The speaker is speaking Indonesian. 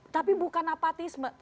tapi bukan apatis